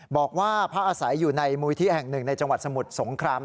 บอกว่าพระอาศัยอยู่ในมูลที่แห่งหนึ่งในจังหวัดสมุทรสงคราม